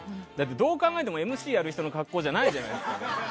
どう考えてもＭＣやる人の格好じゃないじゃないですか。